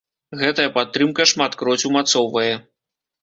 Гэтая падтрымка шматкроць умацоўвае.